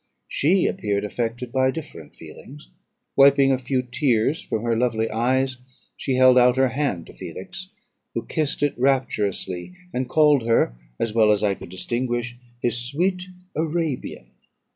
She appeared affected by different feelings; wiping a few tears from her lovely eyes, she held out her hand to Felix, who kissed it rapturously, and called her, as well as I could distinguish, his sweet Arabian.